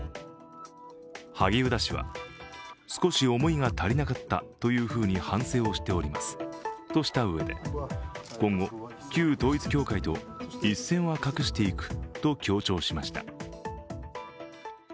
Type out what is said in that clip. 萩生田氏は、少し思いが足りなかったというふうに反省をしておりますとしたうえで、今後、旧統一教会と一線は画していくと強調しました。